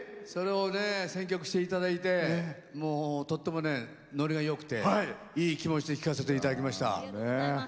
それを選曲していただいてもうとってもノリがよくていい気持ちで聴かせていただきました。